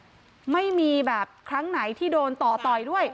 เป็นพระรูปนี้เหมือนเคี้ยวเหมือนกำลังทำปากขมิบท่องกระถาอะไรสักอย่าง